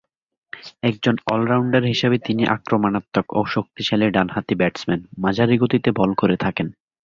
একজন অলরাউন্ডার হিসেবে তিনি আক্রমণাত্মক এবং শক্তিশালী ডান হাতি ব্যাটসম্যান, মাঝারি গতিতে বল করে থাকেন।